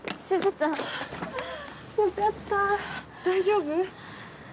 大丈夫？